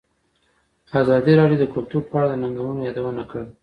ازادي راډیو د کلتور په اړه د ننګونو یادونه کړې.